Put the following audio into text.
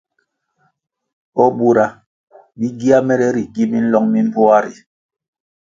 O bura bi gia mere ri gi minlong mi mbpoa ri?